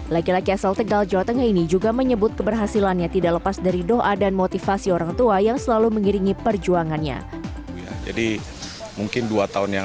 laki laki asal tegal jawa tengah ini juga menyebut keberhasilannya tidak lepas dari doa dan motivasi orang tua yang selalu mengiringi perjuangannya